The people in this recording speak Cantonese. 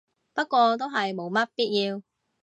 不過都係冇乜必要